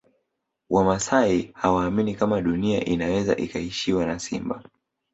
Wamasai hawaamini kama Dunia inaweza ikaishiwa na simba